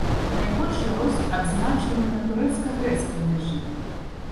Найбольшы рост адзначаны на турэцка-грэцкай мяжы.